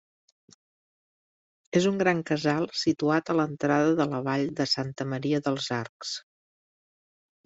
És un gran casal situat a l'entrada de la Vall de Santa Maria dels Arcs.